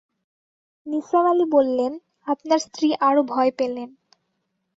নিসার আলি বললেন, আপনার স্ত্রী আরো ভয় পেলেন।